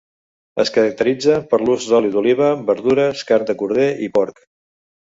Es caracteritza per l'ús d'oli d'oliva, verdures, carn de corder i porc.